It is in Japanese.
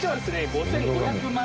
５５００万